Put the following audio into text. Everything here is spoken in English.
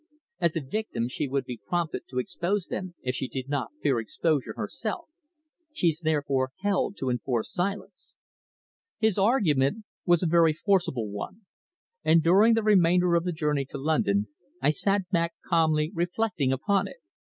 "As a victim, she would be prompted to expose them if she did not fear exposure herself. She's therefore held to enforced silence." His argument was a very forcible one, and during the remainder of the journey to London I sat back calmly reflecting upon it.